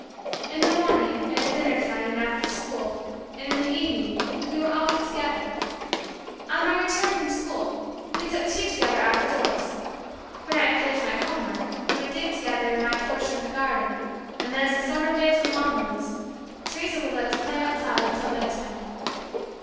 In the morning, and at dinner time, and after school, and in the evening, we were always together. On my return from school, we took tea together out of doors. When I had finished my home work, we would dig together in my portion of the garden, and then as the summer days were long ones, Teresa would let us play outside until bed time.